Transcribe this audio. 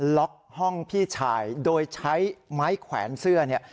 ล็อกห้องพี่ชายโดยใช้ไม้แขวนเสื้อเนี่ย